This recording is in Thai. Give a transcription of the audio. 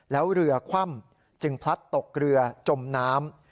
แล้วเรือคว่ำจึงพลัดตกเรือจมน้ำ